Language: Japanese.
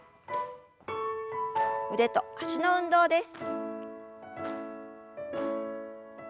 腕と脚の運動です。